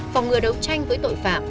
phòng ngừa đấu tranh với tội phạm